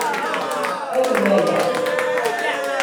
Arem aya.